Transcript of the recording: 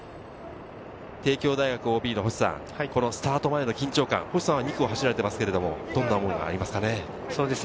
帝京大学ＯＢの星さん、スタート前の緊張感、星さんは２区を走られていますが、どんなものがありますかね？